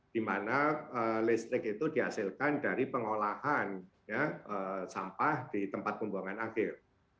di mana listrik itu dihasilkan dari pengolahan sampah di tempat pembuangan akhir